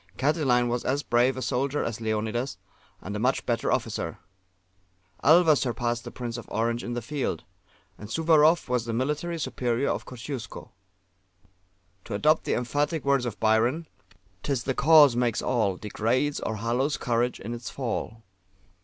Catiline was as brave a soldier as Leonidas, and a much better officer. Alva surpassed the Prince of Orange in the field; and Suwarrow was the military superior of Kosciusko. To adopt the emphatic words of Byron: "'Tis the Cause makes all, Degrades or hallows courage in its fall."